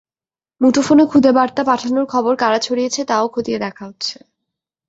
মুঠোফোনে খুদে বার্তা পাঠানোর খবর কারা ছড়িয়েছে তা-ও খতিয়ে দেখা হচ্ছে।